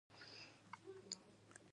که زه نارینه او هزاره نړۍ ته نه وای راغلی.